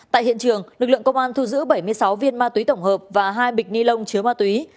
tại hiện trường lực lượng công an thu giữ bảy mươi sáu viên ma túy tổng hợp và hai bịch ni lông chứa ma túy